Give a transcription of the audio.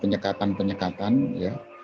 penyekatan penyekatan ya